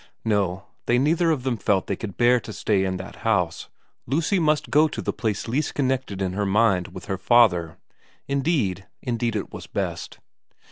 No, they neither of them felt they could bear to stay in that house. Lucy must go to the place least 48 T VERA 49 connected in her mind with her father. Indeed, indeed it was best.